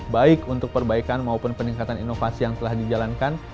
baik untuk perbaikan maupun peningkatan inovasi yang telah dijalankan